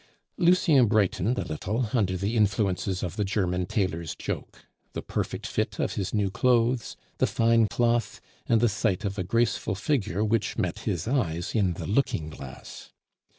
Lucien brightened a little under the influences of the German tailor's joke, the perfect fit of his new clothes, the fine cloth, and the sight of a graceful figure which met his eyes in the looking glass.